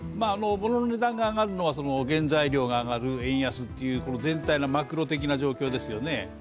物の値段が上がるのは原材料が上がる、円安という全体のマクロ的な状況ですよね。